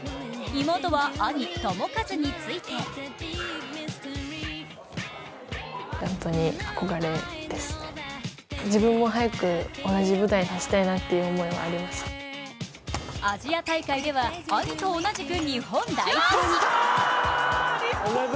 妹は兄・智和についてアジア大会では、兄と同じく日本代表に。